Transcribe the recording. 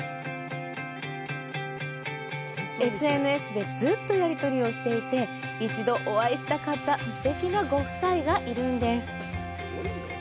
ＳＮＳでずっとやりとりをしていて一度お会いしたかった、すてきなご夫妻がいるんです。